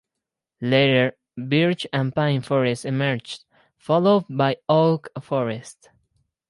Later, birch and pine forests emerged, followed by oak forests.